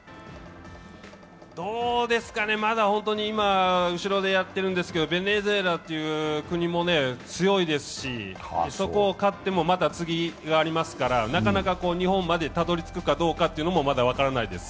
どうですかね、まだ今、後ろでやってるんですけれどもベネズエラという国も強いですし、そこを勝ってもまた次がありますから、なかなか日本までたどり着くかどうかというのもまだ分からないです。